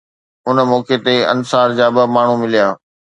ان موقعي تي انصار جا ٻه ماڻهو مليا